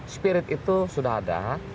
spirit itu sudah ada